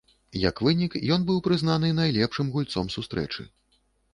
Як вынік, ён быў прызнаны найлепшым гульцом сустрэчы.